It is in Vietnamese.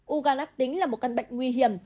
u gan ác tính là một căn bệnh nguy hiểm